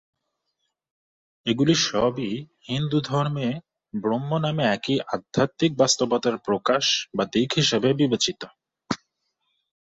এগুলি সবই হিন্দুধর্মে ব্রহ্ম নামে একই আধ্যাত্মিক বাস্তবতার প্রকাশ বা দিক হিসেবে বিবেচিত।